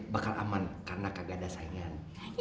bakal aman karena kagak ada saingan